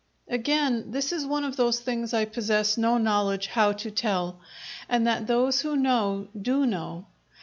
Again, this is one of those things I possess no knowledge how to tell, and that those who know do know.